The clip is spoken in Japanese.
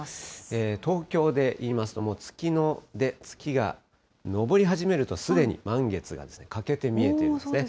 東京でいいますと、もう月の出、月がのぼり始めるとすでに満月が欠けて見えているんですね。